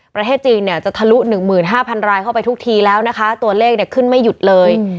ประเทศจีนเนี่ยจะทะลุ๑๕๐๐รายเข้าไปทุกทีแล้วนะคะตัวเลขเนี่ยขึ้นไม่หยุดเลย